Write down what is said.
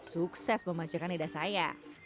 sukses membajakan neda saya